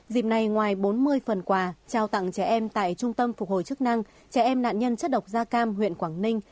dịp này ngoài bốn mươi phần quà trao tặng trẻ em tại trung tâm phục hồi chức năng trẻ em nạn nhân chất độc da cam huyện quảng ninh